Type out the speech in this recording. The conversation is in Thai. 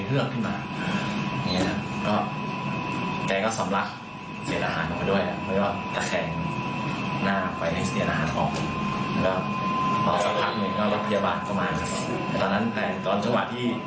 เมื่อสนใจก็ก็คืนขึ้นมาเพื่อมเลยครับแล้วนั้นก็ไปส่งบอกพยาบาลนะครับ